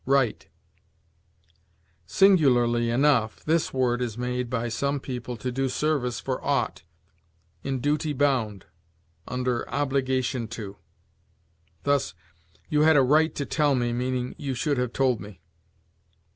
RIGHT. Singularly enough, this word is made, by some people, to do service for ought, in duty bound, under obligation to; thus, "You had a right to tell me," meaning, "You should have told me."